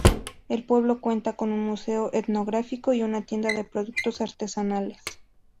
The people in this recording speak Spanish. El pueblo cuenta con un Museo Etnográfico y una tienda de productos artesanales.